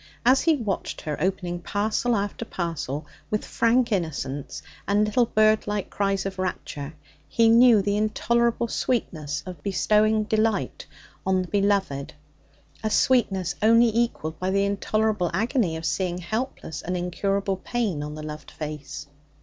As he watched her opening parcel after parcel with frank innocence and little bird like cries of rapture, he knew the intolerable sweetness of bestowing delight on the beloved a sweetness only equalled by the intolerable agony of seeing helpless and incurable pain on the loved face.